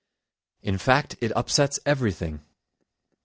In fact, it upsets everything.